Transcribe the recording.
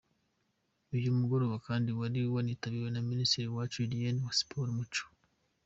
Uyu mugoroba kandi wari wanitabiriwe na Minisitiri Uwacu Julienne wa Siporo n’Umuco.